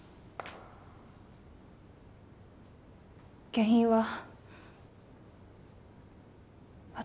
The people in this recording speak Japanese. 原因は私？